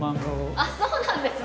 あっそうなんですね。